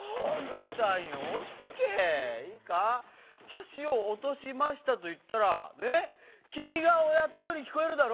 「はしをおとしました」といったらね。きみがやったようにきこえるだろ？